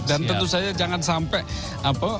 dan tentu saja jangan sampai